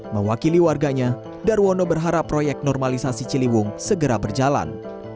mewakili warganya darwono berharap proyek normalisasi ciliwung segera berjalan